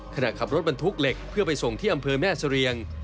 ขณะขับรถบรรทุกเหล็กเพื่อไปส่งที่อำเภอแม่เสรียง